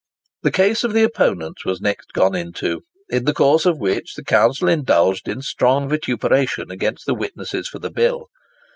The case of the opponents was next gone into, in the course of which the counsel indulged in strong vituperation against the witnesses for the bill.